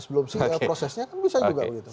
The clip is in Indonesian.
sebelum prosesnya kan bisa juga begitu